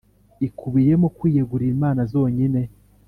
ikubiyemo kwiyegurira imana zonyine.